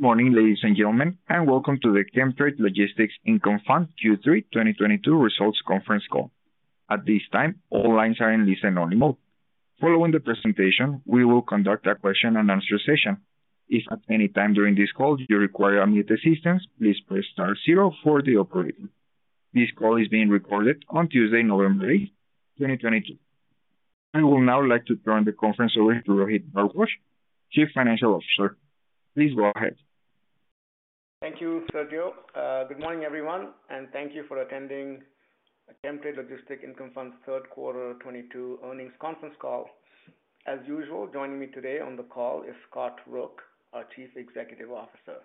Good morning, ladies and gentlemen, welcome to the Chemtrade Logistics Income Fund Q3 2022 results conference call. At this time, all lines are in listen-only mode. Following the presentation, we will conduct a question and answer session. If at any time during this call you require any assistance, please press star zero for the operator. This call is being recorded on Tuesday, November 8th, 2022. I would now like to turn the conference over to Rohit Bhardwaj, Chief Financial Officer. Please go ahead. Thank you, Sergio. Good morning, everyone, thank you for attending Chemtrade Logistics Income Fund's third quarter 2022 earnings conference call. As usual, joining me today on the call is Scott Rook, our Chief Executive Officer.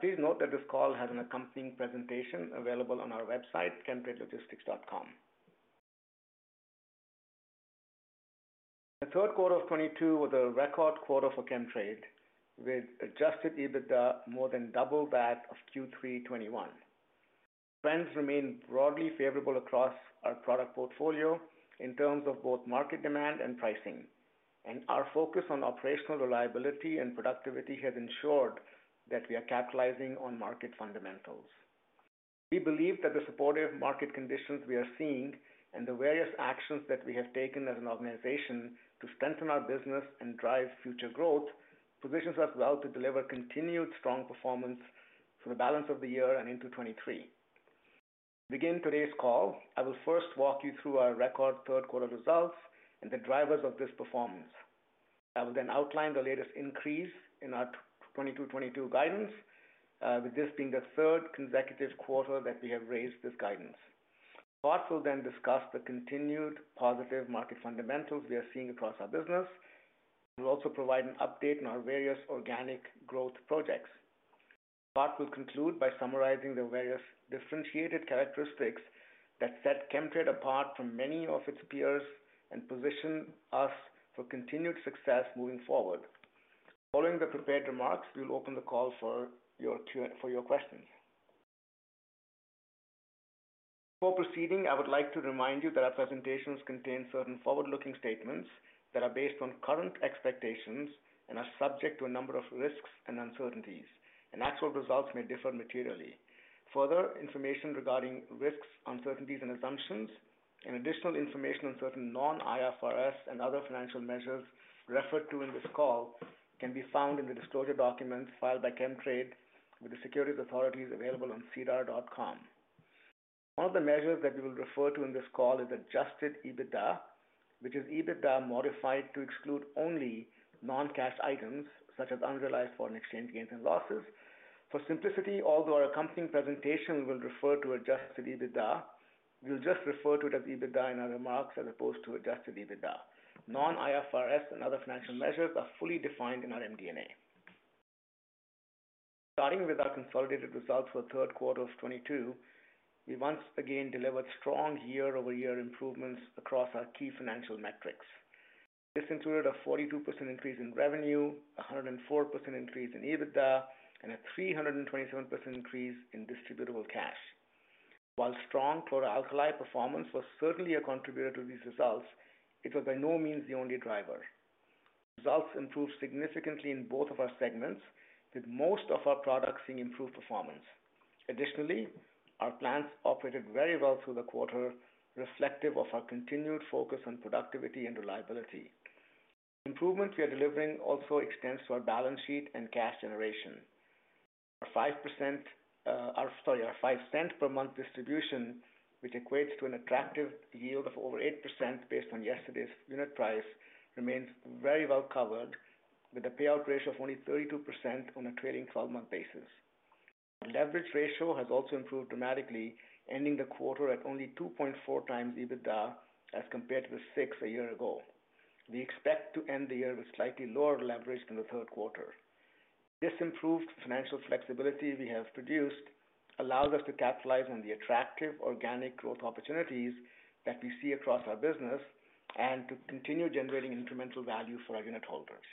Please note that this call has an accompanying presentation available on our website, chemtradelogistics.com. The third quarter of 2022 was a record quarter for Chemtrade, with adjusted EBITDA more than double that of Q3 2021. Trends remain broadly favorable across our product portfolio in terms of both market demand and pricing. Our focus on operational reliability and productivity has ensured that we are capitalizing on market fundamentals. We believe that the supportive market conditions we are seeing and the various actions that we have taken as an organization to strengthen our business and drive future growth, positions us well to deliver continued strong performance for the balance of the year and into 2023. To begin today's call, I will first walk you through our record third quarter results and the drivers of this performance. I will then outline the latest increase in our 2022 guidance, with this being the third consecutive quarter that we have raised this guidance. Scott will then discuss the continued positive market fundamentals we are seeing across our business. We'll also provide an update on our various organic growth projects. Scott will conclude by summarizing the various differentiated characteristics that set Chemtrade apart from many of its peers and position us for continued success moving forward. Following the prepared remarks, we will open the call for your questions. Before proceeding, I would like to remind you that our presentations contain certain forward-looking statements that are based on current expectations and are subject to a number of risks and uncertainties, and actual results may differ materially. Further information regarding risks, uncertainties, and assumptions, and additional information on certain non-IFRS and other financial measures referred to in this call can be found in the disclosure documents filed by Chemtrade with the securities authorities available on sedar.com. One of the measures that we will refer to in this call is adjusted EBITDA, which is EBITDA modified to exclude only non-cash items, such as unrealized foreign exchange gains and losses. For simplicity, although our accompanying presentation will refer to adjusted EBITDA, we'll just refer to it as EBITDA in our remarks as opposed to adjusted EBITDA. Non-IFRS and other financial measures are fully defined in our MD&A. Starting with our consolidated results for the third quarter of 2022, we once again delivered strong year-over-year improvements across our key financial metrics. This included a 42% increase in revenue, 104% increase in EBITDA, and a 327% increase in distributable cash. While strong chlor-alkali performance was certainly a contributor to these results, it was by no means the only driver. Results improved significantly in both of our segments, with most of our products seeing improved performance. Additionally, our plants operated very well through the quarter, reflective of our continued focus on productivity and reliability. The improvement we are delivering also extends to our balance sheet and cash generation. Our 0.05 per month distribution, which equates to an attractive yield of over 8% based on yesterday's unit price, remains very well covered with a payout ratio of only 32% on a trailing 12-month basis. Our leverage ratio has also improved dramatically, ending the quarter at only 2.4x EBITDA as compared to 6x a year ago. We expect to end the year with slightly lower leverage than the third quarter. This improved financial flexibility we have produced allows us to capitalize on the attractive organic growth opportunities that we see across our business and to continue generating incremental value for our unitholders.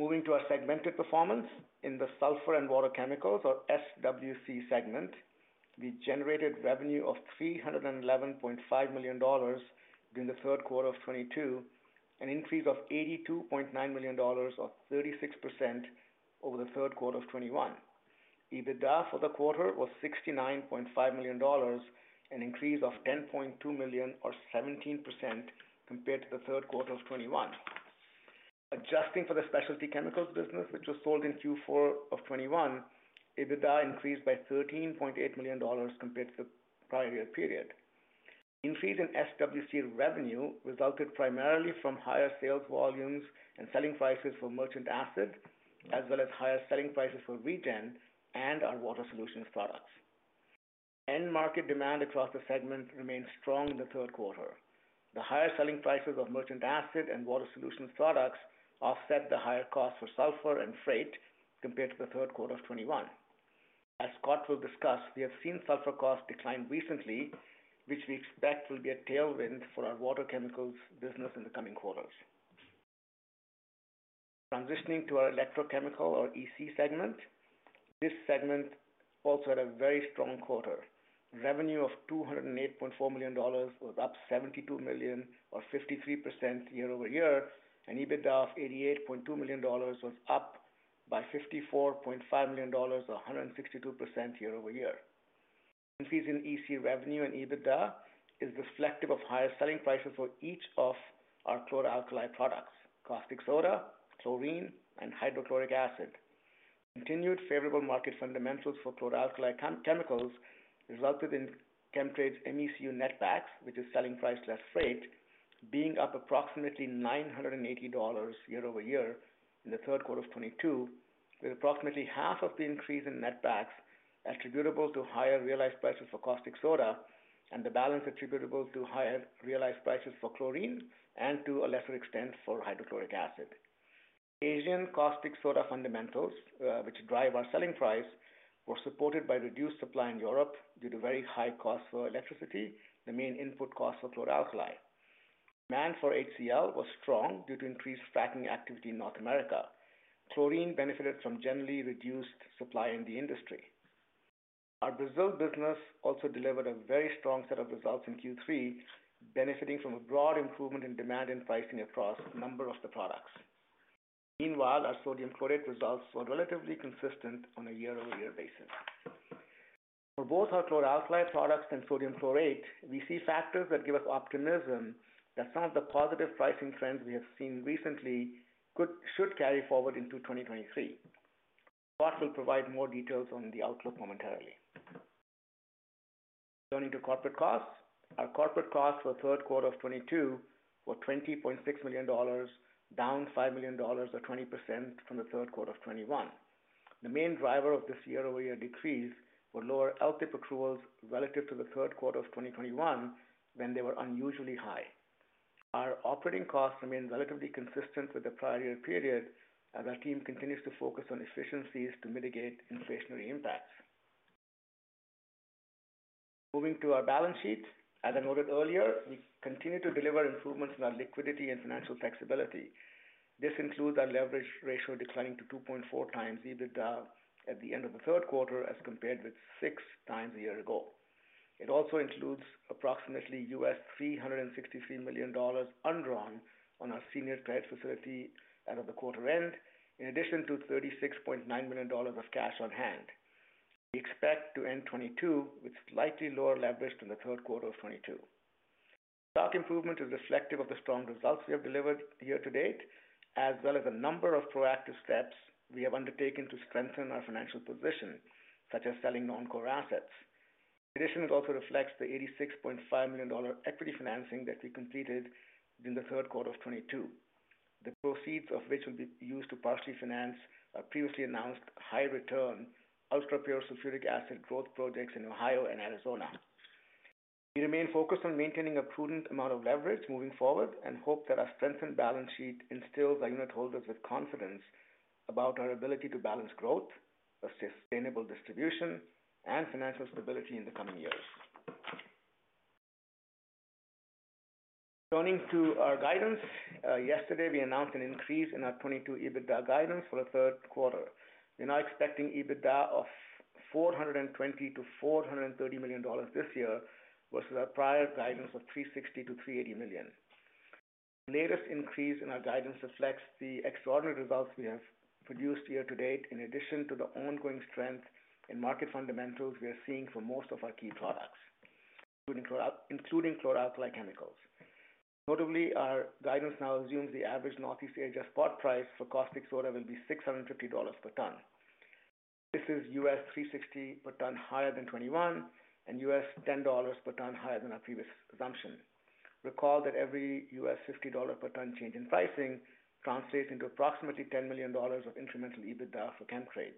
Moving to our segmented performance in the sulfur and water chemicals, or SWC segment, we generated revenue of 311.5 million dollars during the third quarter of 2022, an increase of 82.9 million dollars, or 36%, over the third quarter of 2021. EBITDA for the quarter was 69.5 million dollars, an increase of 10.2 million, or 17%, compared to the third quarter of 2021. Adjusting for the specialty chemicals business, which was sold in Q4 of 2021, EBITDA increased by 13.8 million dollars compared to the prior year period. Increase in SWC revenue resulted primarily from higher sales volumes and selling prices for merchant acid, as well as higher selling prices for V10 and our water solutions products. End market demand across the segment remained strong in the third quarter. The higher selling prices of merchant acid and water solutions products offset the higher cost for sulfur and freight compared to the third quarter of 2021. As Scott will discuss, we have seen sulfur costs decline recently, which we expect will be a tailwind for our water chemicals business in the coming quarters. Transitioning to our Electrochemical, or EC segment. This segment also had a very strong quarter. Revenue of 208.4 million dollars was up 72 million or 53% year-over-year, and EBITDA of 88.2 million dollars was up by 54.5 million dollars or 162% year-over-year. Increases in ECU revenue and EBITDA is reflective of higher selling prices for each of our chlor-alkali products: caustic soda, chlorine, and hydrochloric acid. Continued favorable market fundamentals for chlor-alkali chemicals resulted in Chemtrade's MECU netbacks, which is selling price less freight, being up approximately 980 dollars year-over-year in the third quarter of 2022, with approximately half of the increase in netbacks attributable to higher realized prices for caustic soda and the balance attributable to higher realized prices for chlorine and, to a lesser extent, for hydrochloric acid. Asian caustic soda fundamentals, which drive our selling price, were supported by reduced supply in Europe due to very high costs for electricity, the main input cost for chlor-alkali. Demand for HCL was strong due to increased fracking activity in North America. Chlorine benefited from generally reduced supply in the industry. Our Brazil business also delivered a very strong set of results in Q3, benefiting from a broad improvement in demand and pricing across a number of the products. Meanwhile, our sodium chlorate results were relatively consistent on a year-over-year basis. For both our chlor-alkali products and sodium chlorate, we see factors that give us optimism that some of the positive pricing trends we have seen recently should carry forward into 2023. Scott will provide more details on the outlook momentarily. Turning to corporate costs. Our corporate costs for the third quarter of 2022 were 20.6 million dollars, down 5 million dollars or 20% from the third quarter of 2021. The main driver of this year-over-year decrease were lower LTP accruals relative to the third quarter of 2021, when they were unusually high. Our operating costs remain relatively consistent with the prior year period as our team continues to focus on efficiencies to mitigate inflationary impacts. Moving to our balance sheet. As I noted earlier, we continue to deliver improvements in our liquidity and financial flexibility. This includes our leverage ratio declining to 2.4 times EBITDA at the end of the third quarter as compared with six times a year ago. It also includes approximately $363 million undrawn on our senior credit facility as of the quarter end, in addition to 36.9 million dollars of cash on hand. We expect to end 2022 with slightly lower leverage than the third quarter of 2022. Stock improvement is reflective of the strong results we have delivered year to date, as well as a number of proactive steps we have undertaken to strengthen our financial position, such as selling non-core assets. In addition, it also reflects the 86.5 million dollar equity financing that we completed during the third quarter of 2022, the proceeds of which will be used to partially finance our previously announced high return ultra-pure sulfuric acid growth projects in Ohio and Arizona. We remain focused on maintaining a prudent amount of leverage moving forward and hope that our strengthened balance sheet instills our unitholders with confidence about our ability to balance growth, a sustainable distribution, and financial stability in the coming years. Turning to our guidance. Yesterday, we announced an increase in our 2022 EBITDA guidance for the third quarter. We are now expecting EBITDA of 420 million-430 million dollars this year versus our prior guidance of 360 million-380 million. The latest increase in our guidance reflects the extraordinary results we have produced year to date, in addition to the ongoing strength in market fundamentals we are seeing for most of our key products, including chlor-alkali chemicals. Notably, our guidance now assumes the average Northeast Asia spot price for caustic soda will be $650 per ton. This is $360 per ton higher than 2021, $10 per ton higher than our previous assumption. Recall that every $50 per ton change in pricing translates into approximately 10 million dollars of incremental EBITDA for Chemtrade.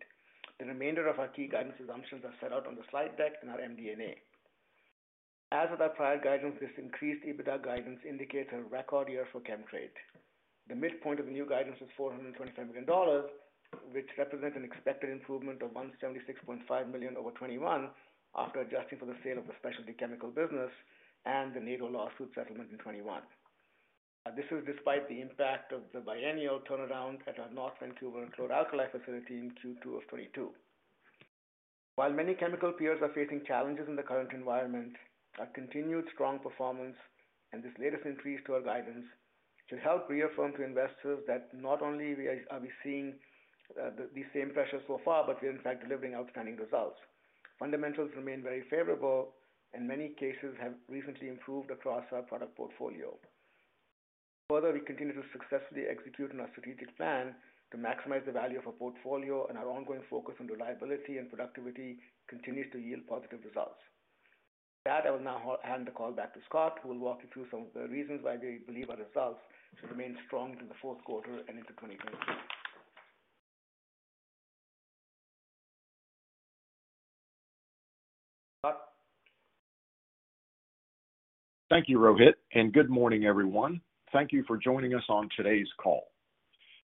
The remainder of our key guidance assumptions are set out on the slide deck in our MD&A. As with our prior guidance, this increased EBITDA guidance indicates a record year for Chemtrade. The midpoint of the new guidance is 425 million dollars, which represents an expected improvement of 176.5 million over 2021 after adjusting for the sale of the specialty chemical business and the NATO lawsuit settlement in 2021. This is despite the impact of the biennial turnaround at our North Vancouver chlor-alkali facility in Q2 of 2022. While many chemical peers are facing challenges in the current environment, our continued strong performance and this latest increase to our guidance should help reaffirm to investors that not only are we seeing these same pressures so far, but we are in fact delivering outstanding results. Fundamentals remain very favorable, in many cases have recently improved across our product portfolio. Further, we continue to successfully execute on our strategic plan to maximize the value of our portfolio, and our ongoing focus on reliability and productivity continues to yield positive results. With that, I will now hand the call back to Scott, who will walk you through some of the reasons why we believe our results should remain strong through the fourth quarter and into 2023. Scott? Thank you, Rohit, and good morning, everyone. Thank you for joining us on today's call.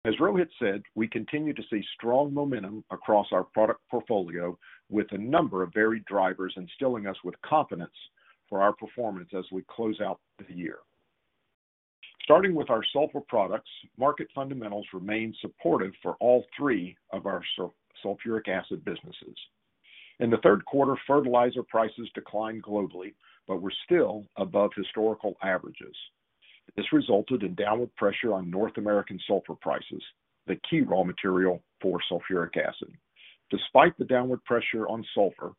As Rohit said, we continue to see strong momentum across our product portfolio with a number of varied drivers instilling us with confidence for our performance as we close out the year. Starting with our sulfur products, market fundamentals remain supportive for all three of our sulfuric acid businesses. In the third quarter, fertilizer prices declined globally, but were still above historical averages. This resulted in downward pressure on North American sulfur prices, the key raw material for sulfuric acid. Despite the downward pressure on sulfur,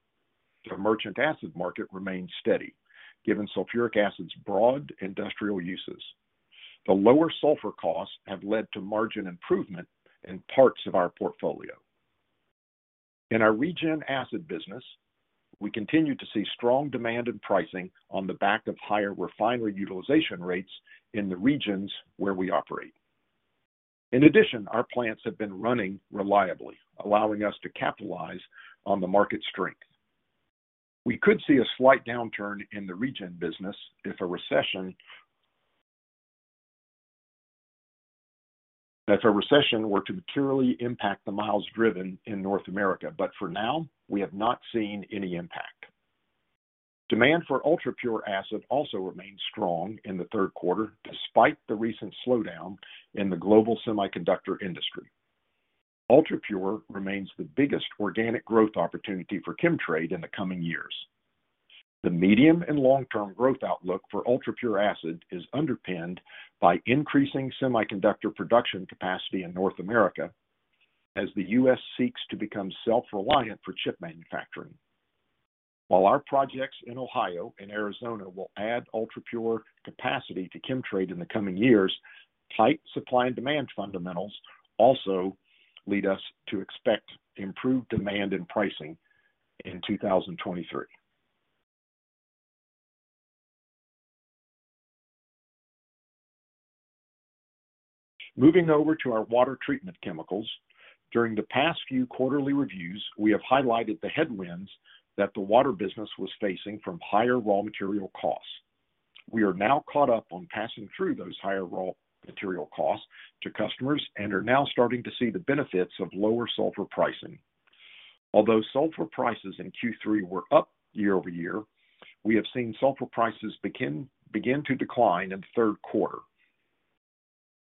the merchant acid market remained steady, given sulfuric acid's broad industrial uses. The lower sulfur costs have led to margin improvement in parts of our portfolio. In our regen acid business, we continue to see strong demand and pricing on the back of higher refinery utilization rates in the regions where we operate. In addition, our plants have been running reliably, allowing us to capitalize on the market strength. We could see a slight downturn in the regen business if a recession were to materially impact the miles driven in North America. For now, we have not seen any impact. Demand for ultrapure acid also remained strong in the third quarter, despite the recent slowdown in the global semiconductor industry. Ultrapure remains the biggest organic growth opportunity for Chemtrade in the coming years. The medium and long-term growth outlook for ultrapure acid is underpinned by increasing semiconductor production capacity in North America as the U.S. seeks to become self-reliant for chip manufacturing. While our projects in Ohio and Arizona will add ultrapure capacity to Chemtrade in the coming years, tight supply and demand fundamentals also lead us to expect improved demand and pricing in 2023. Moving over to our water treatment chemicals, during the past few quarterly reviews, we have highlighted the headwinds that the water business was facing from higher raw material costs. We are now caught up on passing through those higher raw material costs to customers and are now starting to see the benefits of lower sulfur pricing. Although sulfur prices in Q3 were up year-over-year, we have seen sulfur prices begin to decline in the third quarter,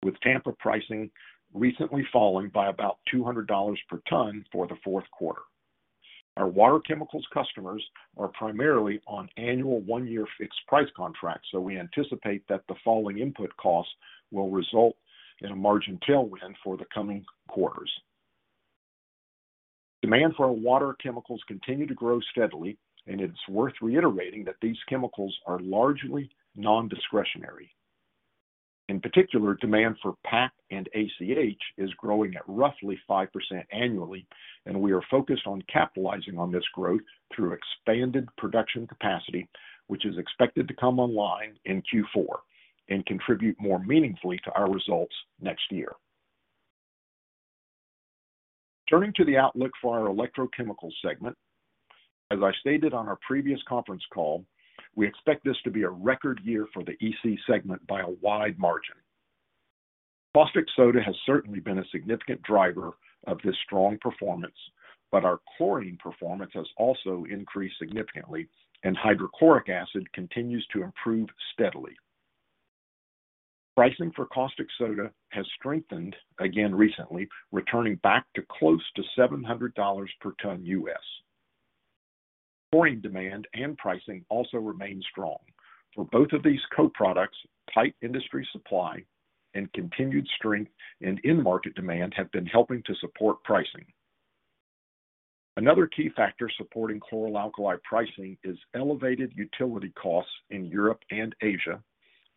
with Tampa pricing recently falling by about 200 dollars per ton for the fourth quarter. Our water chemicals customers are primarily on annual one-year fixed price contracts, we anticipate that the falling input costs will result in a margin tailwind for the coming quarters. Demand for our water chemicals continue to grow steadily, and it is worth reiterating that these chemicals are largely non-discretionary. In particular, demand for PAC and ACH is growing at roughly 5% annually, and we are focused on capitalizing on this growth through expanded production capacity, which is expected to come online in Q4 and contribute more meaningfully to our results next year. Turning to the outlook for our Electrochem segment, as I stated on our previous conference call, we expect this to be a record year for the EC segment by a wide margin. Caustic soda has certainly been a significant driver of this strong performance, but our chlorine performance has also increased significantly, and hydrochloric acid continues to improve steadily. Pricing for caustic soda has strengthened again recently, returning back to close to $700 per ton U.S. Chlorine demand and pricing also remain strong. For both of these co-products, tight industry supply and continued strength in end market demand have been helping to support pricing. Another key factor supporting chlor-alkali pricing is elevated utility costs in Europe and Asia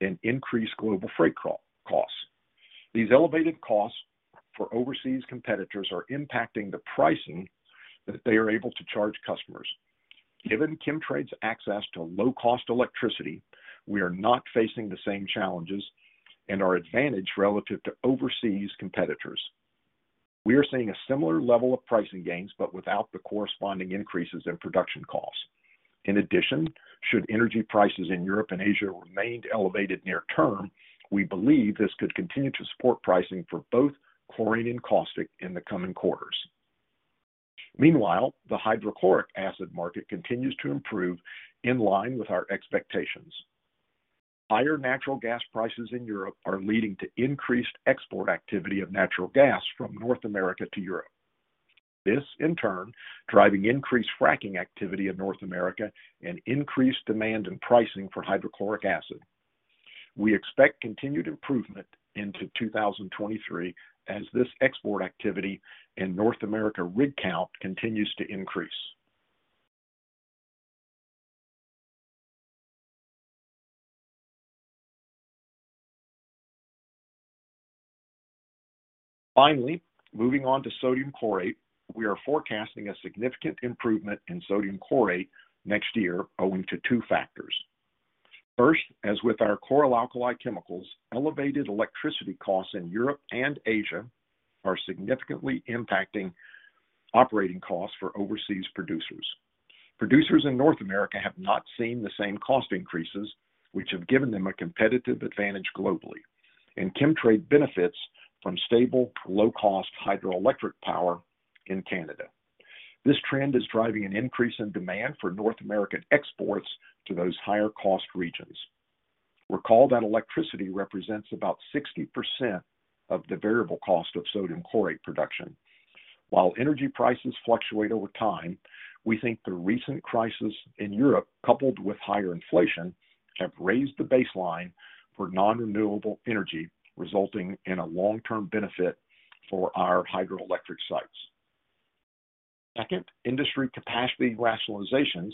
and increased global freight costs. These elevated costs for overseas competitors are impacting the pricing that they are able to charge customers. Given Chemtrade's access to low-cost electricity, we are not facing the same challenges and are advantaged relative to overseas competitors. We are seeing a similar level of pricing gains, but without the corresponding increases in production costs. In addition, should energy prices in Europe and Asia remained elevated near term, we believe this could continue to support pricing for both chlorine and caustic in the coming quarters. Meanwhile, the hydrochloric acid market continues to improve in line with our expectations. Higher natural gas prices in Europe are leading to increased export activity of natural gas from North America to Europe. This, in turn, driving increased fracking activity in North America and increased demand and pricing for hydrochloric acid. We expect continued improvement into 2023 as this export activity and North America rig count continues to increase. Finally, moving on to sodium chlorate, we are forecasting a significant improvement in sodium chlorate next year owing to two factors. First, as with our chlor-alkali chemicals, elevated electricity costs in Europe and Asia are significantly impacting operating costs for overseas producers. Producers in North America have not seen the same cost increases, which have given them a competitive advantage globally, and Chemtrade benefits from stable, low-cost hydroelectric power in Canada. This trend is driving an increase in demand for North American exports to those higher-cost regions. Recall that electricity represents about 60% of the variable cost of sodium chlorate production. While energy prices fluctuate over time, we think the recent crisis in Europe, coupled with higher inflation, have raised the baseline for non-renewable energy, resulting in a long-term benefit for our hydroelectric sites. Second, industry capacity rationalizations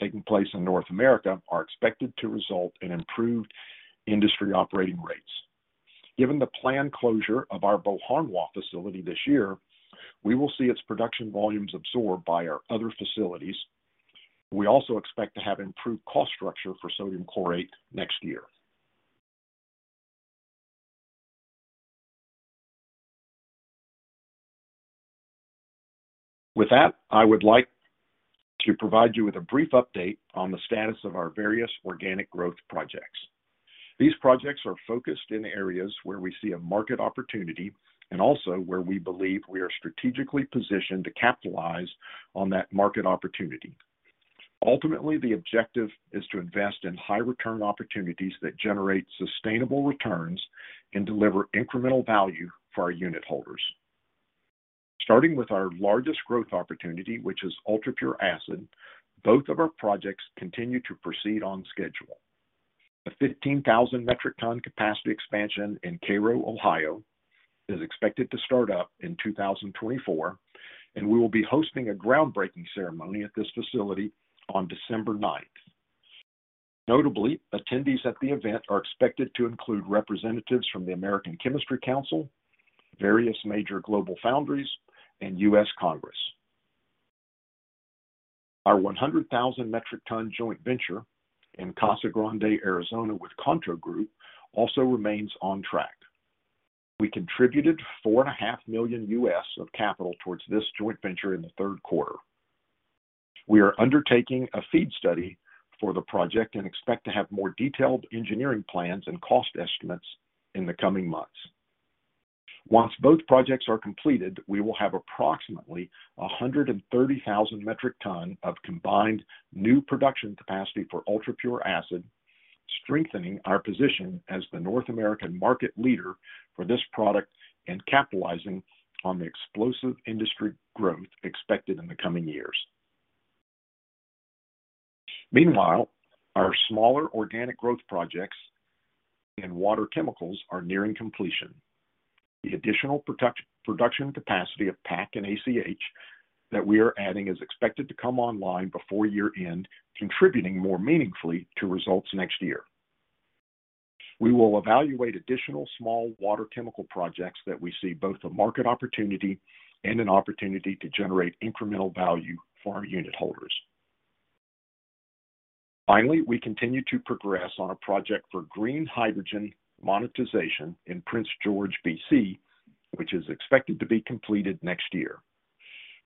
taking place in North America are expected to result in improved industry operating rates. Given the planned closure of our Beauharnois facility this year, we will see its production volumes absorbed by our other facilities. We also expect to have improved cost structure for sodium chlorate next year. With that, I would like to provide you with a brief update on the status of our various organic growth projects. These projects are focused in areas where we see a market opportunity and also where we believe we are strategically positioned to capitalize on that market opportunity. Ultimately, the objective is to invest in high-return opportunities that generate sustainable returns and deliver incremental value for our unitholders. Starting with our largest growth opportunity, which is ultrapure acid, both of our projects continue to proceed on schedule. The 15,000 metric ton capacity expansion in Cairo, Ohio, is expected to start up in 2024, and we will be hosting a groundbreaking ceremony at this facility on December 9th. Notably, attendees at the event are expected to include representatives from the American Chemistry Council, various major global foundries, and U.S. Congress. Our 100,000 metric ton joint venture in Casa Grande, Arizona, with Kanto Group, also remains on track. We contributed $4.5 million of capital towards this joint venture in the third quarter. We are undertaking a FEED study for the project and expect to have more detailed engineering plans and cost estimates in the coming months. Once both projects are completed, we will have approximately 130,000 metric ton of combined new production capacity for ultrapure acid, strengthening our position as the North American market leader for this product and capitalizing on the explosive industry growth expected in the coming years. Meanwhile, our smaller organic growth projects in water chemicals are nearing completion. The additional production capacity of PAC and ACH that we are adding is expected to come online before year-end, contributing more meaningfully to results next year. We will evaluate additional small water chemical projects that we see both a market opportunity and an opportunity to generate incremental value for our unitholders. Finally, we continue to progress on a project for green hydrogen monetization in Prince George, BC, which is expected to be completed next year.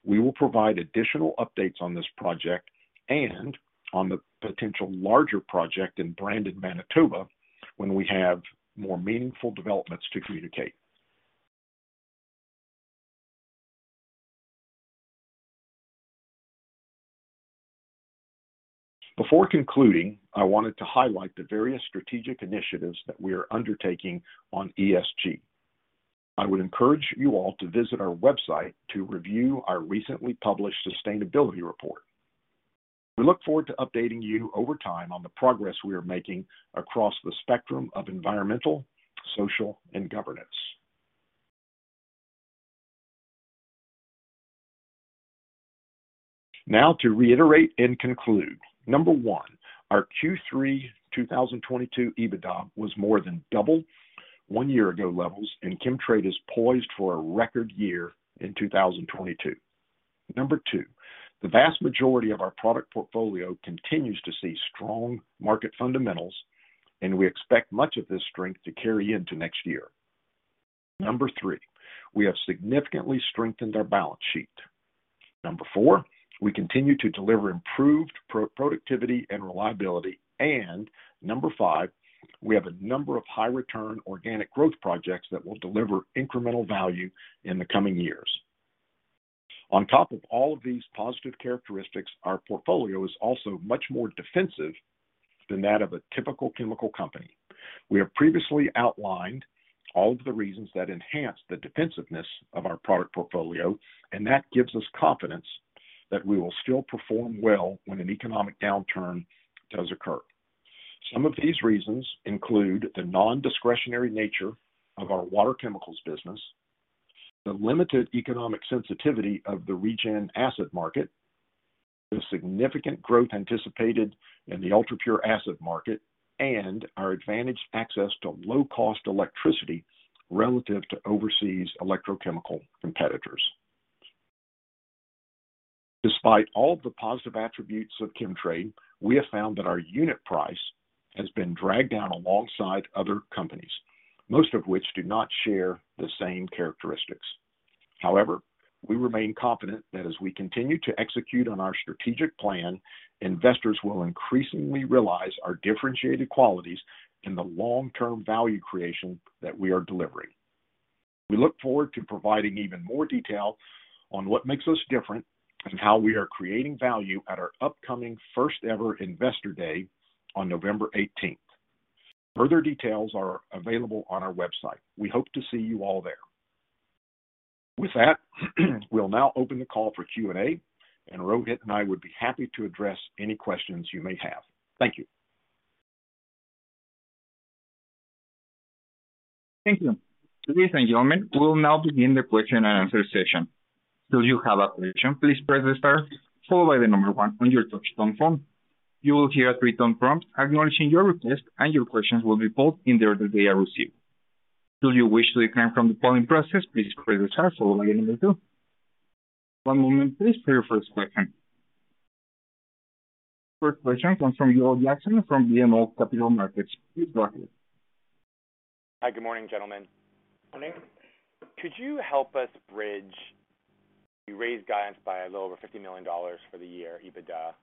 We will provide additional updates on this project and on the potential larger project in Brandon, Manitoba, when we have more meaningful developments to communicate. Before concluding, I wanted to highlight the various strategic initiatives that we are undertaking on ESG. I would encourage you all to visit our website to review our recently published sustainability report. We look forward to updating you over time on the progress we are making across the spectrum of environmental, social, and governance. Now to reiterate and conclude. Number one, our Q3 2022 EBITDA was more than double one year ago levels, and Chemtrade is poised for a record year in 2022. Number two, the vast majority of our product portfolio continues to see strong market fundamentals, and we expect much of this strength to carry into next year. Number three, we have significantly strengthened our balance sheet. Number four, we continue to deliver improved productivity and reliability. Number five, we have a number of high-return organic growth projects that will deliver incremental value in the coming years. On top of all of these positive characteristics, our portfolio is also much more defensive than that of a typical chemical company. We have previously outlined all of the reasons that enhance the defensiveness of our product portfolio, and that gives us confidence that we will still perform well when an economic downturn does occur. Some of these reasons include the non-discretionary nature of our water chemicals business, the limited economic sensitivity of the regen acid market, the significant growth anticipated in the ultrapure acid market, and our advantaged access to low-cost electricity relative to overseas electrochemical competitors. Despite all the positive attributes of Chemtrade, we have found that our unit price has been dragged down alongside other companies, most of which do not share the same characteristics. However, we remain confident that as we continue to execute on our strategic plan, investors will increasingly realize our differentiated qualities and the long-term value creation that we are delivering. We look forward to providing even more detail on what makes us different and how we are creating value at our upcoming first-ever investor day on November 18th. Further details are available on our website. We hope to see you all there. With that, we'll now open the call for Q&A, and Rohit and I would be happy to address any questions you may have. Thank you. Thank you. Ladies and gentlemen, we will now begin the question and answer session. Do you have a question, please press the star followed by the number 1 on your touchtone phone. You will hear a three-tone prompt acknowledging your request, and your questions will be pulled in the order they are received. Do you wish to decline from the polling process, please press star followed by the number 2. One moment please for your first question. First question comes from Joel Jackson from BMO Capital Markets. Please go ahead. Hi. Good morning, gentlemen. Morning. Could you help us bridge? You raised guidance by a little over 50 million dollars for the year, EBITDA,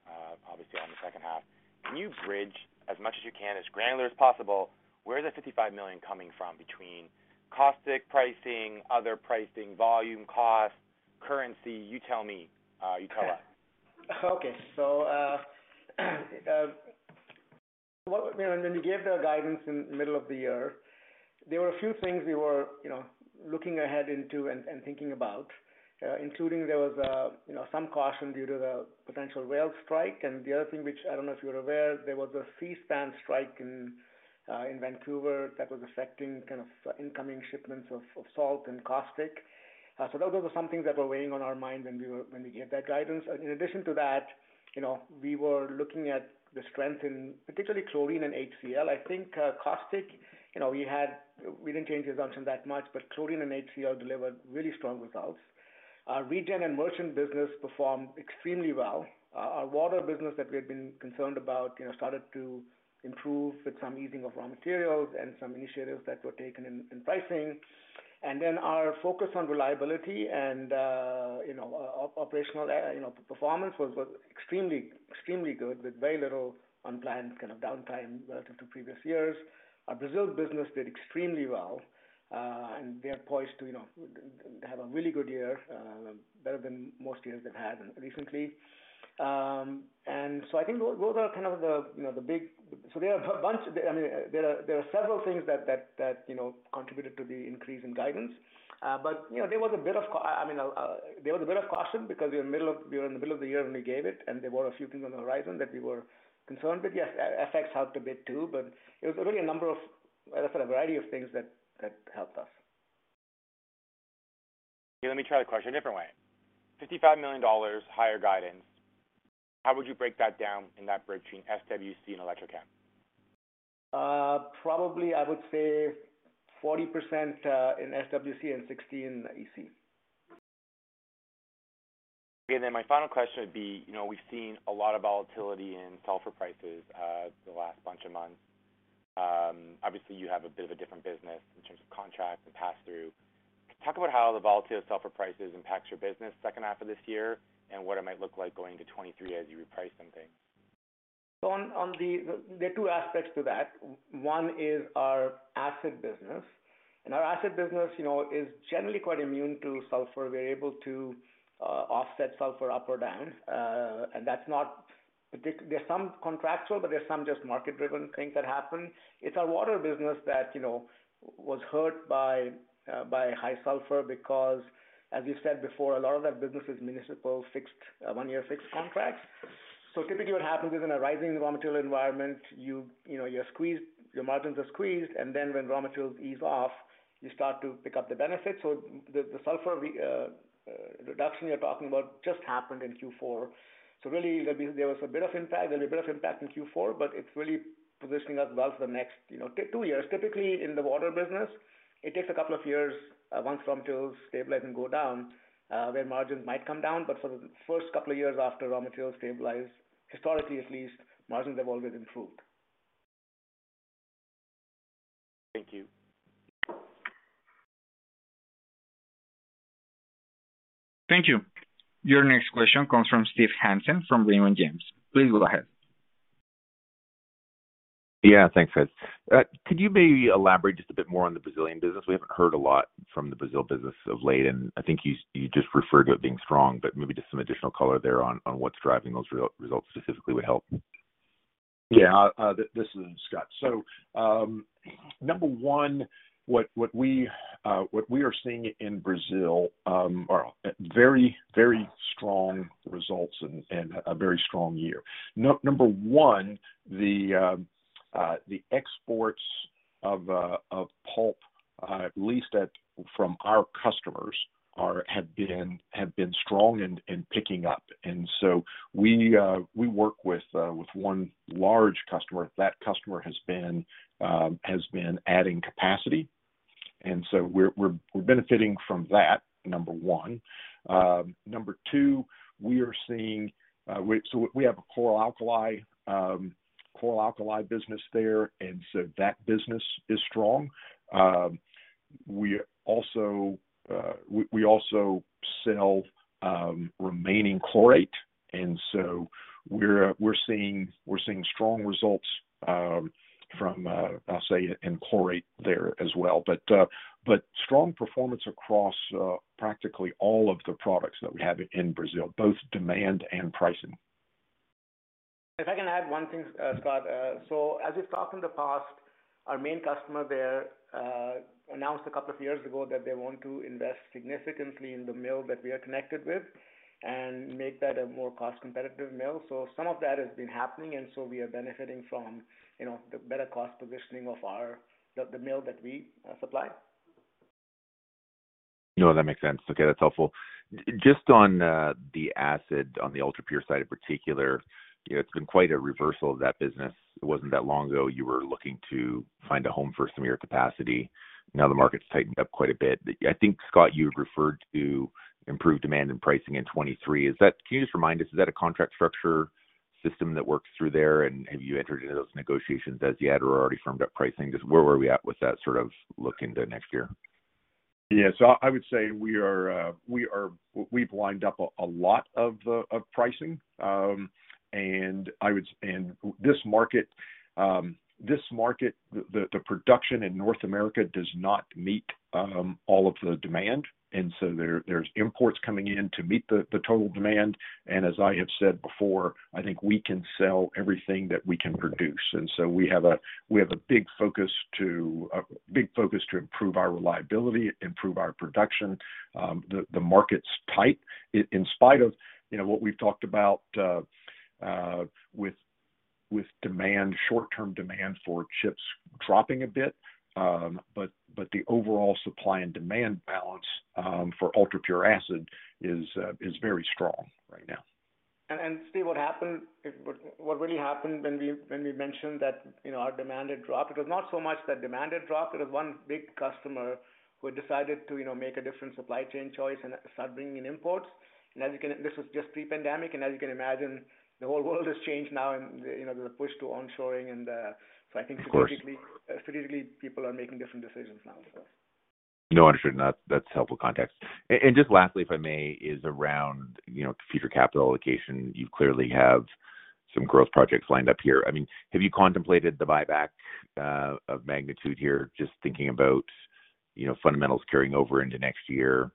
obviously on the second half. Can you bridge as much as you can, as granular as possible, where is that 55 million coming from between caustic pricing, other pricing, volume cost, currency? You tell me. You cover. Okay. When we gave the guidance in middle of the year, there were a few things we were looking ahead into and thinking about, including there was some caution due to the potential rail strike. The other thing which I don't know if you are aware, there was a Seaspan strike in Vancouver that was affecting kind of incoming shipments of salt and caustic. Those were some things that were weighing on our mind when we gave that guidance. In addition to that, we were looking at the strength in particularly chlorine and HCL. I think, caustic, we didn't change the assumption that much, but chlorine and HCL delivered really strong results. Our regen and merchant business performed extremely well. Our water business that we had been concerned about started to improve with some easing of raw materials and some initiatives that were taken in pricing. Our focus on reliability and operational performance was extremely good with very little unplanned kind of downtime relative to previous years. Our Brazil business did extremely well, they are poised to have a really good year, better than most years they've had recently. I think those are kind of the big. There are several things that contributed to the increase in guidance. There was a bit of caution because we were in the middle of the year when we gave it, and there were a few things on the horizon that we were concerned with. Yes, FX helped a bit too, it was really a number of a variety of things that helped us. Let me try the question a different way. 55 million dollars higher guidance. How would you break that down in that bridge between SWC and Electrochem? Probably I would say 40% in SWC and 60 in EC. My final question would be, we've seen a lot of volatility in sulfur prices the last bunch of months. Obviously, you have a bit of a different business in terms of contracts and pass-through. Talk about how the volatility of sulfur prices impacts your business second half of this year, and what it might look like going to 2023 as you reprice some things. There are two aspects to that. One is our acid business. Our acid business is generally quite immune to sulfur. We're able to offset sulfur up or down. There's some contractual, but there's some just market-driven things that happen. It's our water business that was hurt by high sulfur because, as you said before, a lot of that business is municipal one-year fixed contracts. Typically what happens is in a rising raw material environment, your margins are squeezed, and then when raw materials ease off, you start to pick up the benefits. The sulfur reduction you're talking about just happened in Q4. Really there was a bit of impact in Q4, but it's really positioning us well for the next two years. Typically, in the water business, it takes a couple of years once raw materials stabilize and go down, where margins might come down. For the first couple of years after raw materials stabilize, historically at least, margins have always improved. Thank you. Thank you. Your next question comes from Steve Hansen from Raymond James. Please go ahead. Thanks, guys. Could you maybe elaborate just a bit more on the Brazilian business? We haven't heard a lot from the Brazil business of late, and I think you just referred to it being strong, but maybe just some additional color there on what's driving those results specifically would help. This is Scott. Number 1, what we are seeing in Brazil are very strong results and a very strong year. Number 1, the exports of pulp, at least from our customers, have been strong and picking up. We work with one large customer. That customer has been adding capacity, and we're benefiting from that, number 1. Number 2, we have a chlor-alkali business there, and that business is strong. We also sell remaining chlorate, and we're seeing strong results from, I'll say, in chlorate there as well. Strong performance across practically all of the products that we have in Brazil, both demand and pricing. If I can add one thing, Scott. As we've talked in the past, our main customer there, announced a couple of years ago that they want to invest significantly in the mill that we are connected with and make that a more cost-competitive mill. Some of that has been happening, and so we are benefiting from the better cost positioning of the mill that we supply. No, that makes sense. Okay, that's helpful. Just on the acid, on the ultrapure side in particular, it's been quite a reversal of that business. It wasn't that long ago you were looking to find a home for some of your capacity. Now the market's tightened up quite a bit. I think, Scott, you had referred to improved demand in pricing in 2023. Can you just remind us, is that a contract structure system that works through there? Have you entered into those negotiations as yet or already firmed up pricing? Just where are we at with that sort of look into next year? Yeah. I would say we've lined up a lot of pricing. This market, the production in North America does not meet all of the demand. There's imports coming in to meet the total demand, and as I have said before, I think we can sell everything that we can produce. We have a big focus to improve our reliability, improve our production. The market's tight in spite of what we've talked about with demand, short-term demand for chips dropping a bit. The overall supply and demand balance for ultrapure acid is very strong right now. Steve, what really happened when we mentioned that our demand had dropped, it was not so much that demand had dropped, it was one big customer who had decided to make a different supply chain choice and start bringing in imports. This was just pre-pandemic, and as you can imagine, the whole world has changed now and there's a push to onshoring. Of course strategically people are making different decisions now, so. No, understood. That's helpful context. Just lastly, if I may, is around future capital allocation. You clearly have some growth projects lined up here. Have you contemplated the buyback of magnitude here, just thinking about fundamentals carrying over into next year?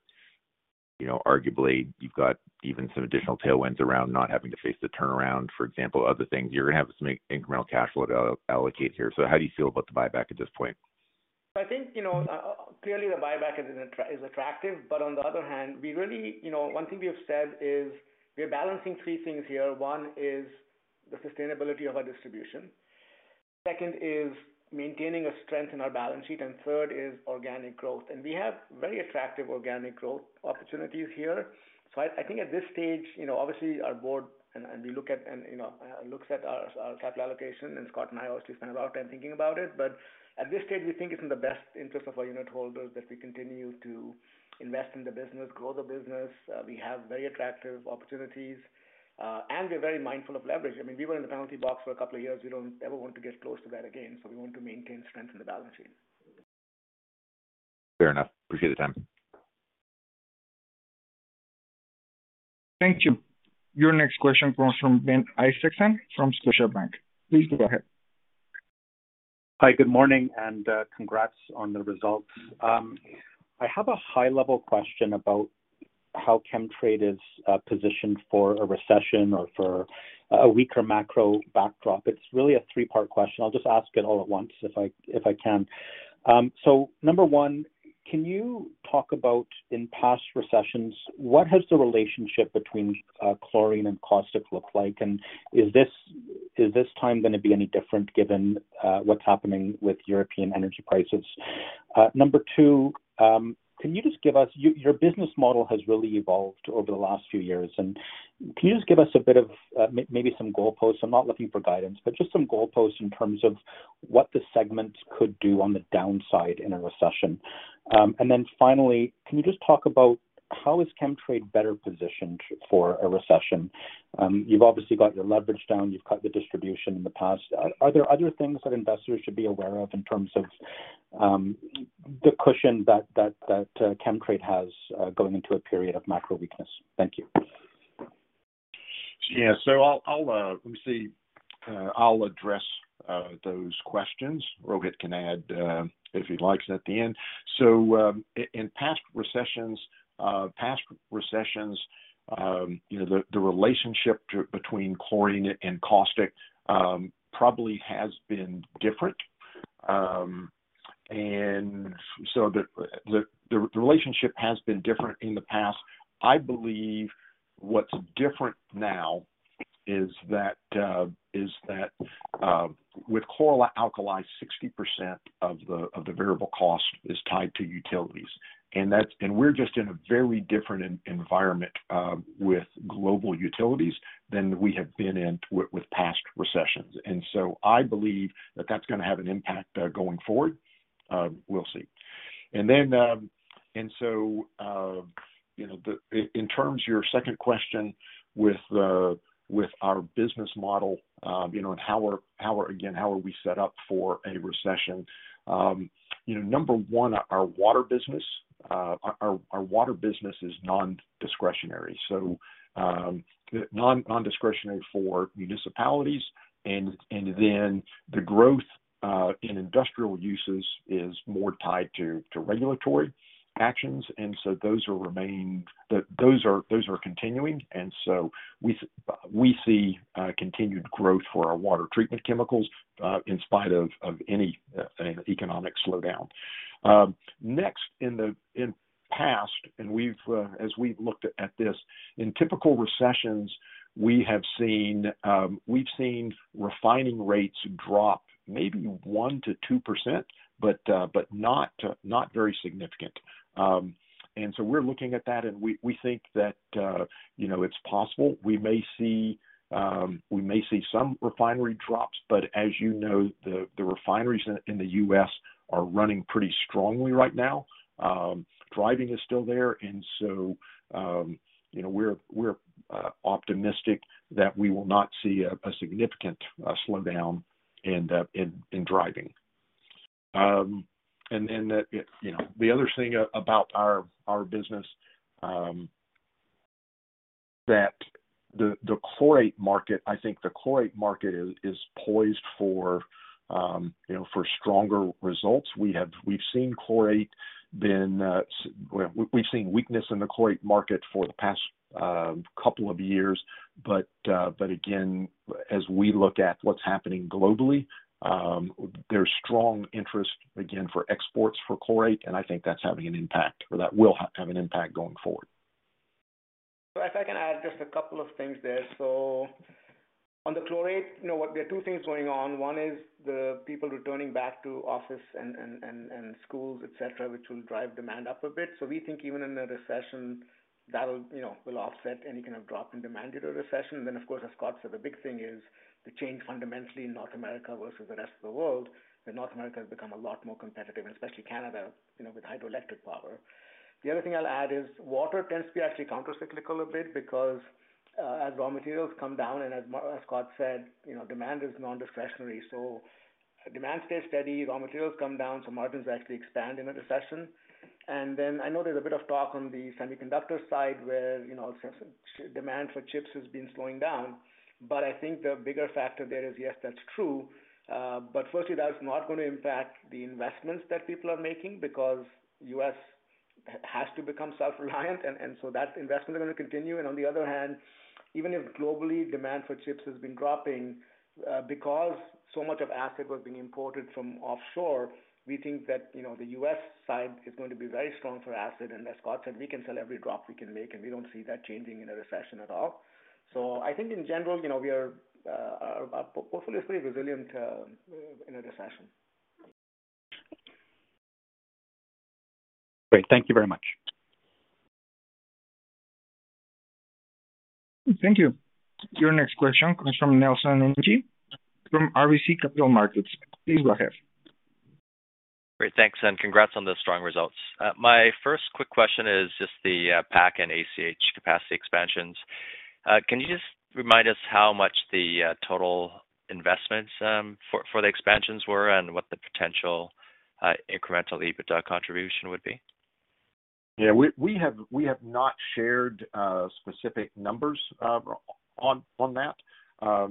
Arguably, you've got even some additional tailwinds around not having to face the turnaround, for example, other things. You're going to have some incremental cash flow to allocate here. How do you feel about the buyback at this point? I think, clearly the buyback is attractive. On the other hand, one thing we have said is we are balancing three things here. One is the sustainability of our distribution. Second is maintaining a strength in our balance sheet, and third is organic growth. We have very attractive organic growth opportunities here. I think at this stage, obviously our board looks at our capital allocation, and Scott and I obviously spend a lot of time thinking about it. At this stage, we think it's in the best interest of our unit holders that we continue to invest in the business, grow the business. We have very attractive opportunities, and we are very mindful of leverage. We were in the penalty box for a couple of years. We don't ever want to get close to that again, so we want to maintain strength in the balance sheet. Fair enough. Appreciate the time. Thank you. Your next question comes from Ben Isaacson from Scotiabank. Please go ahead. Hi, good morning, and congrats on the results. I have a high-level question about how Chemtrade is positioned for a recession or for a weaker macro backdrop. It's really a three-part question. I'll just ask it all at once if I can. Number 1, can you talk about in past recessions, what has the relationship between chlorine and caustic looked like? Is this time going to be any different given what's happening with European energy prices? Number 2, your business model has really evolved over the last few years, and can you just give us a bit of maybe some goalposts? I'm not looking for guidance, but just some goalposts in terms of what the segments could do on the downside in a recession. Finally, can you just talk about how is Chemtrade better positioned for a recession? You've obviously got your leverage down. You've cut the distribution in the past. Are there other things that investors should be aware of in terms of the cushion that Chemtrade has going into a period of macro weakness? Thank you. Yeah. Let me see. I'll address those questions. Rohit can add if he likes at the end. In past recessions, the relationship between chlorine and caustic probably has been different. The relationship has been different in the past. I believe what's different now is that with chlor-alkali, 60% of the variable cost is tied to utilities. We're just in a very different environment with global utilities than we have been in with past recessions. I believe that that's going to have an impact going forward. We'll see. In terms of your second question with our business model, and again, how are we set up for a recession? Number one, our water business is nondiscretionary. Nondiscretionary for municipalities, then the growth in industrial uses is more tied to regulatory actions. Those are continuing. We see continued growth for our water treatment chemicals in spite of any economic slowdown. Next, in past, as we've looked at this, in typical recessions, we've seen refining rates drop maybe 1%-2%, but not very significant. We're looking at that, and we think that it's possible we may see some refinery drops, but as you know, the refineries in the U.S. are running pretty strongly right now. Driving is still there, and so we're optimistic that we will not see a significant slowdown in driving. The other thing about our business, the chlorate market is poised for stronger results. We've seen weakness in the chlorate market for the past couple of years. Again, as we look at what's happening globally, there's strong interest, again, for exports for chlorate, and I think that's having an impact, or that will have an impact going forward. If I can add just a couple of things there. On the chlorate, there are two things going on. One is the people returning back to office and schools, et cetera, which will drive demand up a bit. We think even in a recession, that'll offset any kind of drop in demand in a recession. Of course, as Scott said, the big thing is the change fundamentally in North America versus the rest of the world, where North America has become a lot more competitive, and especially Canada, with hydroelectric power. The other thing I'll add is water tends to be actually counter-cyclical a bit because as raw materials come down, and as Scott said, demand is nondiscretionary. Demand stays steady, raw materials come down, so margins actually expand in a recession. I know there's a bit of talk on the semiconductor side where demand for chips has been slowing down. I think the bigger factor there is, yes, that's true. Firstly, that's not going to impact the investments that people are making because U.S. has to become self-reliant, and so that investment is going to continue. On the other hand, even if globally demand for chips has been dropping because so much of acid was being imported from offshore, we think that the U.S. side is going to be very strong for acid. As Scott said, we can sell every drop we can make, and we don't see that changing in a recession at all. I think in general, our portfolio is pretty resilient in a recession. Great. Thank you very much. Thank you. Your next question comes from Nelson Ng from RBC Capital Markets. Please go ahead. Great. Thanks, and congrats on those strong results. My first quick question is just the PAC and ACH capacity expansions. Can you just remind us how much the total investments for the expansions were and what the potential incremental EBITDA contribution would be? Yeah. We have not shared specific numbers on that. Yeah.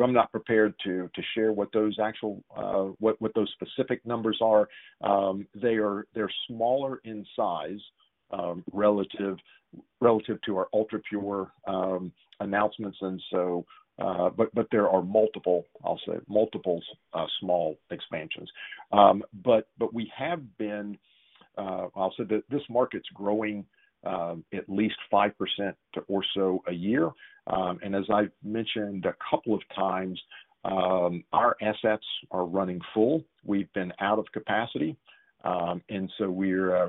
I'm not prepared to share what those specific numbers are. They're smaller in size relative to our Ultrapure announcements, there are multiple, I'll say multiples, small expansions. We have been I'll say this market's growing at least 5% or so a year. As I've mentioned a couple of times, our assets are running full. We've been out of capacity.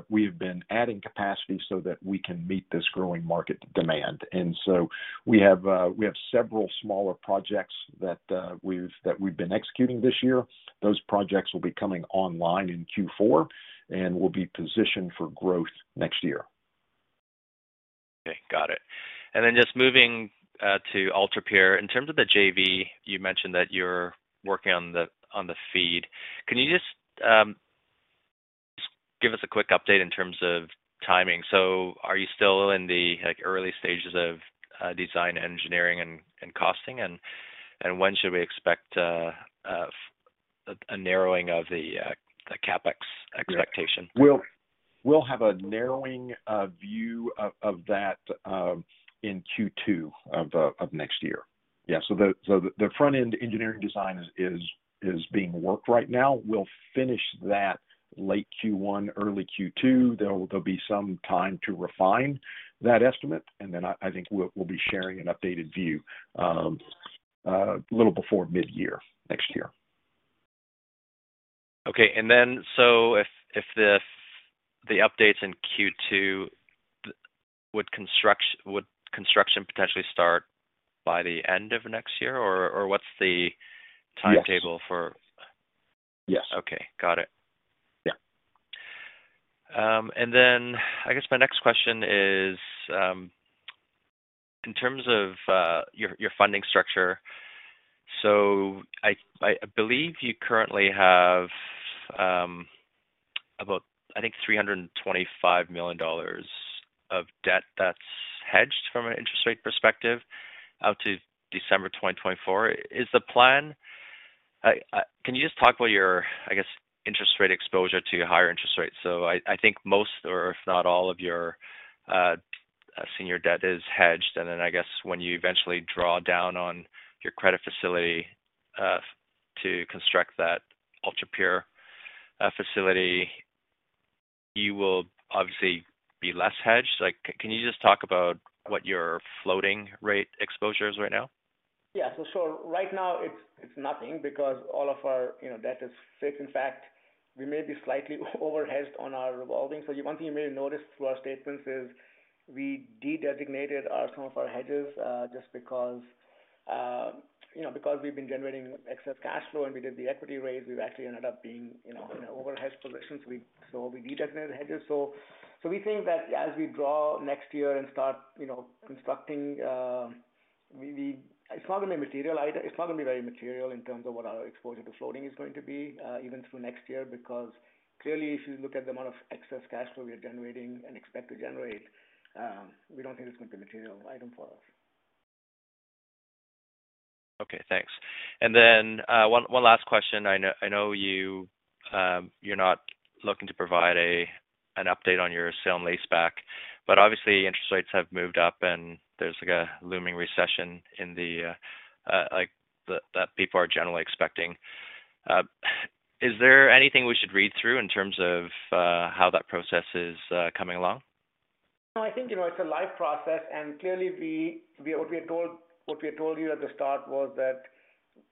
We've been adding capacity so that we can meet this growing market demand. We have several smaller projects that we've been executing this year. Those projects will be coming online in Q4, and we'll be positioned for growth next year. Okay. Got it. Just moving to Ultrapure. In terms of the JV, you mentioned that you're working on the FEED. Can you just give us a quick update in terms of timing? Are you still in the early stages of design engineering and costing? When should we expect a narrowing of the CapEx expectation? We'll have a narrowing view of that in Q2 of next year. Yeah. The Front-End Engineering Design is being worked right now. We'll finish that late Q1, early Q2. There'll be some time to refine that estimate, I think we'll be sharing an updated view a little before mid-year next year. Okay. If the updates in Q2, would construction potentially start by the end of next year, or what's the timetable for? Yes. Okay. Got it. Yeah. I guess my next question is in terms of your funding structure. I believe you currently have about, I think, 325 million dollars of debt that's hedged from an interest rate perspective out to December 2024. Can you just talk about your, I guess, interest rate exposure to your higher interest rates? I think most or if not all of your senior debt is hedged, and then I guess when you eventually draw down on your credit facility to construct that ultrapure facility, you will obviously be less hedged. Can you just talk about what your floating rate exposure is right now? Yeah. Sure. Right now it's nothing because all of our debt is fixed. In fact, we may be slightly over-hedged on our revolving. One thing you may have noticed through our statements is we de-designated some of our hedges, just because we've been generating excess cash flow and we did the equity raise. We've actually ended up being in an over-hedged position, we de-designated the hedges. We think that as we draw next year and start constructing, it's not going to be very material in terms of what our exposure to floating is going to be, even through next year. Clearly, if you look at the amount of excess cash flow we are generating and expect to generate, we don't think it's going to be a material item for us. Okay, thanks. One last question. I know you're not looking to provide an update on your sale and lease back, but obviously interest rates have moved up and there's a looming recession that people are generally expecting. Is there anything we should read through in terms of how that process is coming along? No, I think, it's a live process and clearly what we had told you at the start was that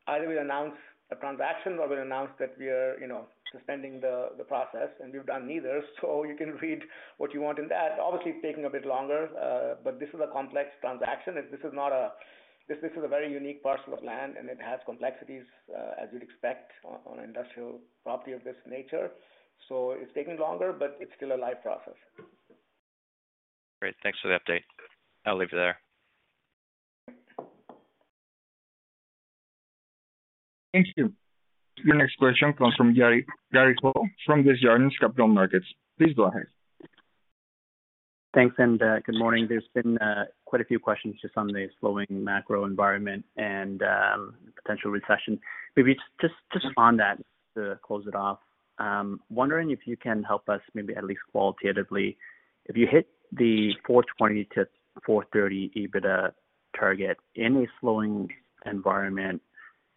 either we announce a transaction or we announce that we are suspending the process, and we've done neither. You can read what you want in that. Obviously, it's taking a bit longer. This is a complex transaction. This is a very unique parcel of land, and it has complexities, as you'd expect on an industrial property of this nature. It's taking longer, but it's still a live process. Great. Thanks for the update. I'll leave it there. Thank you. The next question comes from Gary Ho from Desjardins Capital Markets. Please go ahead. Thanks. Good morning. There's been quite a few questions just on the slowing macro environment and potential recession. On that, to close it off, wondering if you can help us, maybe at least qualitatively, if you hit the 420 million-430 million EBITDA target in a slowing environment,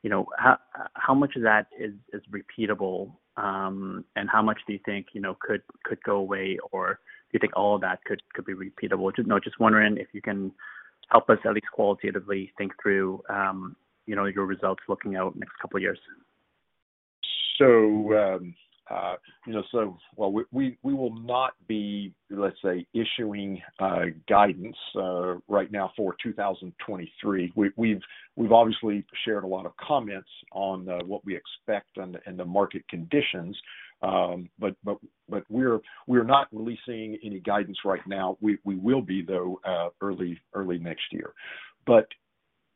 how much of that is repeatable, and how much do you think could go away? Or do you think all of that could be repeatable? Just wondering if you can help us at least qualitatively think through your results looking out next couple of years. We will not be, let's say, issuing guidance right now for 2023. We've obviously shared a lot of comments on what we expect and the market conditions, but we're not releasing any guidance right now. We will be, though, early next year.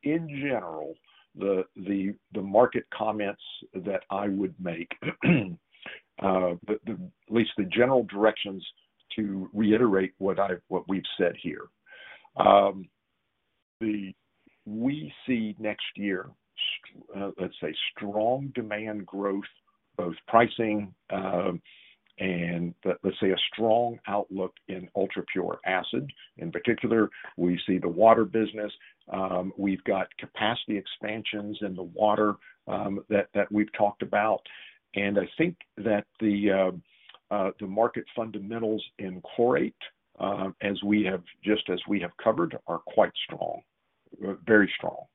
In general, the market comments that I would make, at least the general directions to reiterate what we've said here. We see next year, let's say strong demand growth, both pricing, and let's say a strong outlook in ultrapure acid. In particular, we see the water business. We've got capacity expansions in the water that we've talked about. I think that the market fundamentals in chlorate, just as we have covered, are quite strong. Very strong.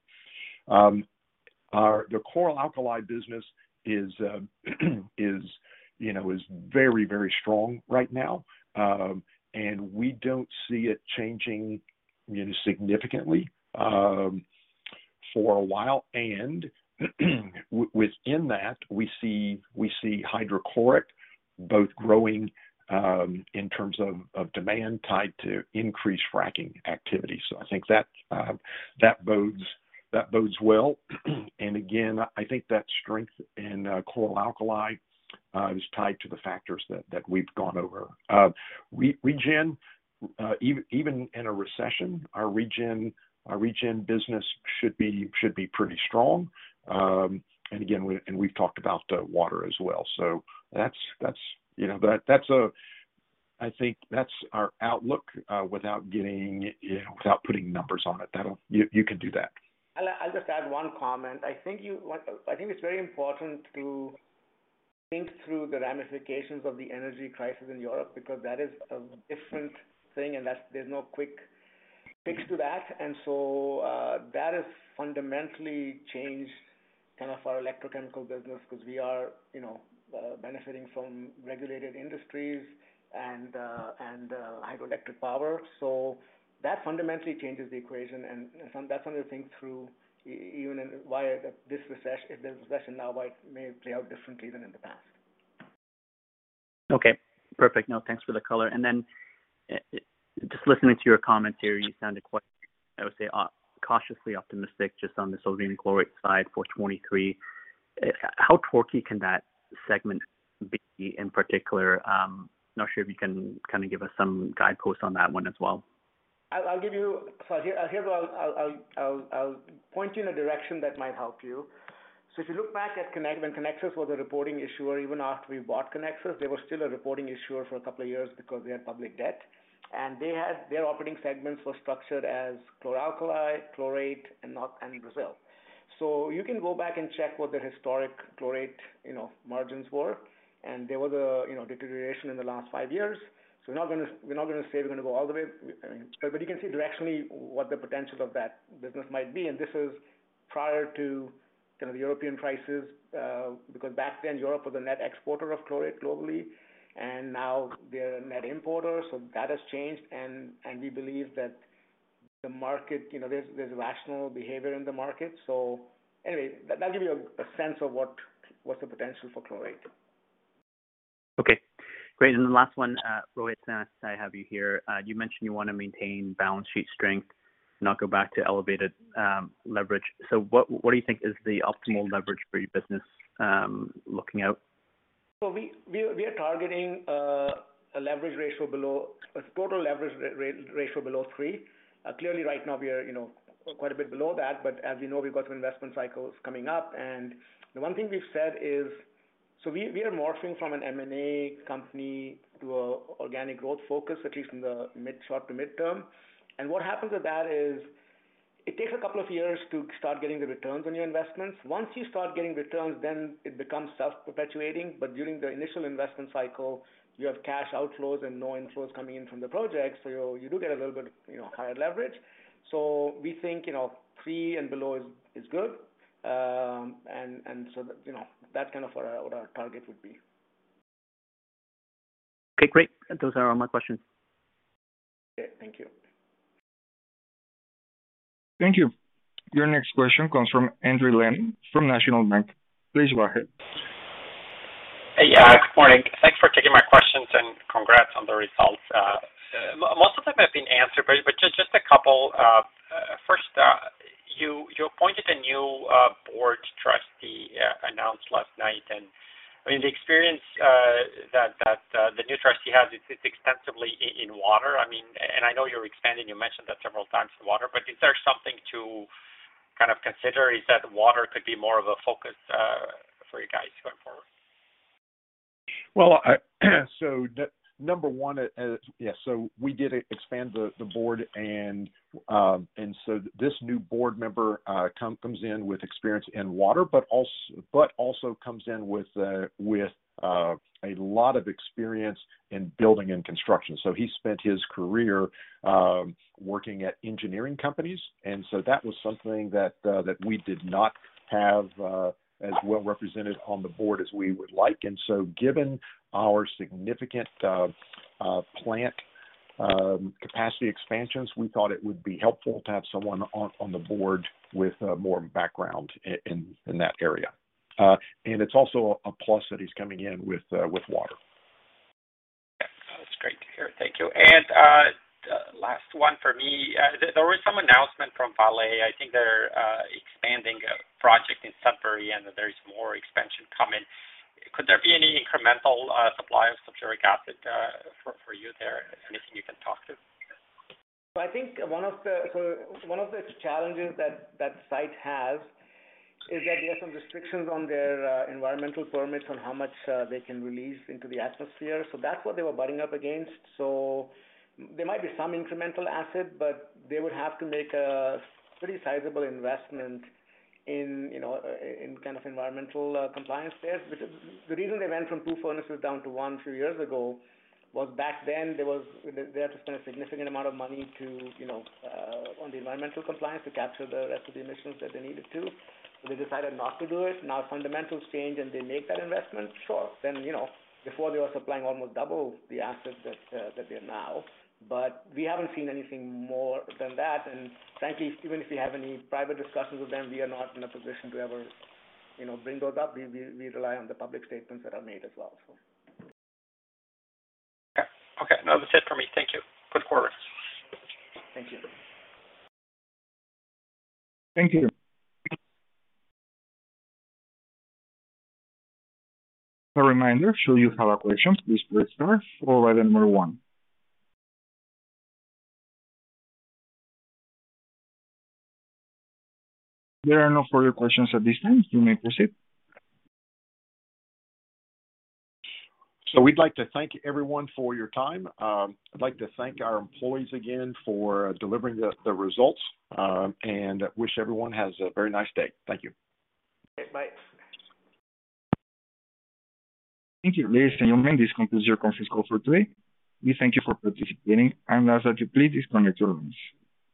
The chlor-alkali business is very strong right now. We don't see it changing significantly for a while. Within that, we see hydrochloric both growing in terms of demand tied to increased fracking activity. I think that bodes well. Again, I think that strength in chlor-alkali is tied to the factors that we've gone over. Even in a recession, our regen business should be pretty strong. Again, we've talked about water as well. I think that's our outlook, without putting numbers on it. You can do that. I'll just add one comment. I think it's very important to think through the ramifications of the energy crisis in Europe, because that is a different thing, and there's no quick fix to that. That has fundamentally changed kind of our electrochemical business because we are benefiting from regulated industries and hydroelectric power. That fundamentally changes the equation and that's something to think through, even if there's a recession now, why it may play out differently than in the past. Okay, perfect. No, thanks for the color. Just listening to your commentary, you sounded quite, I would say, cautiously optimistic just on the sodium chlorate side for 2023. How torquey can that segment be in particular? I'm not sure if you can give us some guideposts on that one as well. I'll point you in a direction that might help you. If you look back at when Canexus was a reporting issuer, even after we bought Canexus, they were still a reporting issuer for a couple of years because they had public debt. Their operating segments were structured as chlor-alkali, chlorate, and Brazil. You can go back and check what their historic chlorate margins were. There was a deterioration in the last five years. We're not going to say we're going to go all the way, but you can see directionally what the potential of that business might be. This is prior to the European crisis, because back then Europe was a net exporter of chlorate globally, and now they're a net importer. That has changed. We believe that there's rational behavior in the market. Anyway, that'll give you a sense of what's the potential for chlorate. Okay, great. The last one, Rohit, now that I have you here. You mentioned you want to maintain balance sheet strength, not go back to elevated leverage. What do you think is the optimal leverage for your business looking out? We are targeting a total leverage ratio below 3. Clearly right now we are quite a bit below that. As you know, we've got some investment cycles coming up. The one thing we've said is, we are morphing from an M&A company to an organic growth focus, at least in the short to mid-term. What happens with that is it takes a couple of years to start getting the returns on your investments. Once you start getting returns, it becomes self-perpetuating. During the initial investment cycle, you have cash outflows and no inflows coming in from the project. You do get a little bit higher leverage. We think 3 and below is good. That's what our target would be. Okay, great. Those are all my questions. Okay. Thank you. Thank you. Your next question comes from Andrew Leung from National Bank. Please go ahead. Yeah, good morning. Thanks for taking my questions and congrats on the results. Most of them have been answered, but just a couple. First, you appointed a new board trustee, announced last night. The experience that the new trustee has is extensively in water. I know you're expanding, you mentioned that several times, water, but is there something to consider? Is that water could be more of a focus for you guys going forward? Number one, we did expand the board. This new board member comes in with experience in water, but also comes in with a lot of experience in building and construction. He spent his career working at engineering companies. That was something that we did not have as well represented on the board as we would like. Given our significant plant capacity expansions, we thought it would be helpful to have someone on the board with more background in that area. It's also a plus that he's coming in with water. Yeah. That's great to hear. Thank you. Last one for me. There was some announcement from Vale. I think they're expanding a project in Sudbury and there is more expansion coming. Could there be any incremental supply of sulfuric acid for you there? Anything you can talk to? I think one of the challenges that site has is that they have some restrictions on their environmental permits on how much they can release into the atmosphere. That's what they were butting up against. There might be some incremental acid, but they would have to make a pretty sizable investment in environmental compliance there. Because the reason they went from two furnaces down to one two years ago was back then they had to spend a significant amount of money on the environmental compliance to capture the rest of the emissions that they needed to. They decided not to do it. Now fundamentals change and they make that investment? Sure. Before they were supplying almost double the acid that they are now. We haven't seen anything more than that. Frankly, even if we have any private discussions with them, we are not in a position to ever bring those up. We rely on the public statements that are made as well. Okay. No, that's it for me. Thank you. Good quarter. Thank you. Thank you. A reminder, should you have a question, please press star followed by number one. There are no further questions at this time. You may proceed. We'd like to thank everyone for your time. I'd like to thank our employees again for delivering the results, and wish everyone has a very nice day. Thank you. Okay, bye. Thank you. Ladies and gentlemen, this concludes your conference call for today. We thank you for participating. I now ask that you please disconnect your lines.